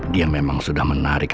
dia memang sudah menarik